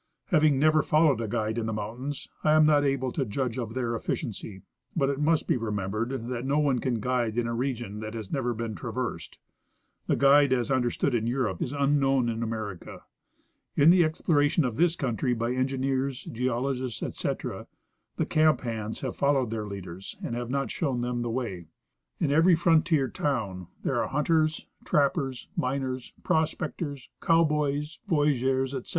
Having never followed a guide in the mountains, I am not able to judge of their efficiency, but it must be remembered that no one can guide in a region that has never been traversed. The " guide " as understood in Europe is unknown in America. In the explora tion of this country by engineers, geologists, etc., the camp hands have followed their leaders and have not shown them the way. In every frontier town there are hunters, trappers, miners, pros pectors, cow boys, voyageurs, etc.